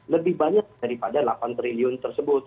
lebih banyak daripada delapan triliun tersebut